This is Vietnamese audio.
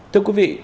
thưa quý vị